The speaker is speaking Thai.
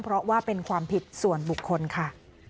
เพราะว่าเป็นความผิดส่วนบุคคลค่ะ